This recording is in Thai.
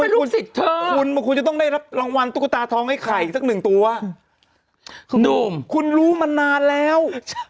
รู้สิทธิ์จะต้องได้รับรางวัลตุ๊กตาทองไอ้ไข่สักหนึ่งตัวคุณรู้มานานแล้ว